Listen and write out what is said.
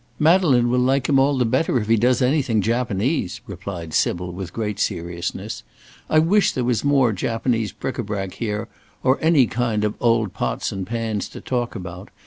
"Madeleine will like him all the better if he does anything Japanese," replied Sybil, with great seriousness; "I wish there was more Japanese bric à brac here, or any kind of old pots and pans to talk about.